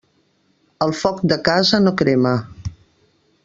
El foc de casa no crema.